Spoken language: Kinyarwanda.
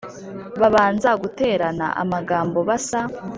babanza guterana amagambo basa